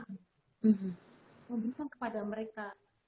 memberikan kepada mereka